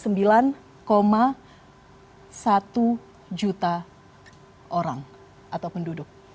mencapai sembilan satu juta orang atau penduduk